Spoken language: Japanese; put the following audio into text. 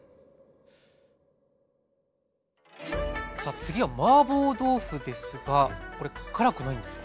さあ次はマーボー豆腐ですがこれ辛くないんですか？